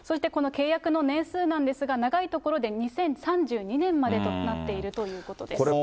この契約の年数なんですが、長いところで２０３２年までということになっているそうです。